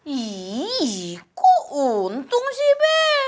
ini kok untung sih be